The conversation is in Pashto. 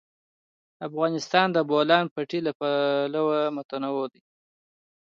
افغانستان د د بولان پټي له پلوه متنوع دی.